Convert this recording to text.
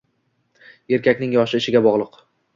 Erkakning yoshi ishiga bog’liq.